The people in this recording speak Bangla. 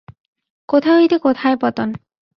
কোথা হইতে কোথায় পতন!